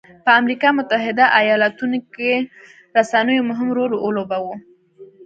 په امریکا متحده ایالتونو کې رسنیو مهم رول ولوباوه.